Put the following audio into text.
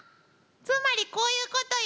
つまりこういうことよ。